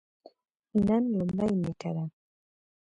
نن لومړۍ نیټه ده